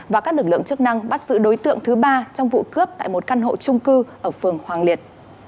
và các lực lượng chức năng bắt giữ đối tượng thứ ba trong vụ cướp tại một căn hộ trung cư ở phường hoàng liệt